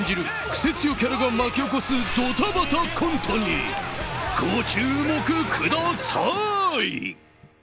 クセ強キャラが巻き起こすどたばたコントにご注目ください。